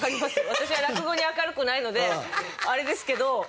私は落語に明るくないのであれですけど。